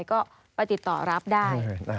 ก็ไปติดต่อรับได้